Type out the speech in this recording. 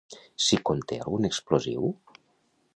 Si conté algun explosiu?